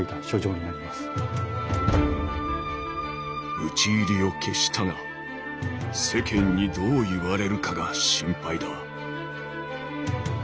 「討ち入りを決したが世間にどう言われるかが心配だ」。